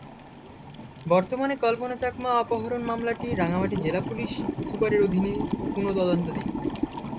বর্তমানে কল্পনা চাকমা অপহরণ মামলাটি রাঙামাটি জেলা পুলিশ সুপারের অধীনে পুনঃ তদন্তাধীন।